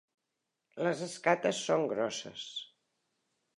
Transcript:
Les escates són grosses.